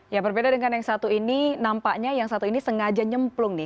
ya berbeda dengan yang satu ini nampaknya yang satu ini sengaja nyemplung nih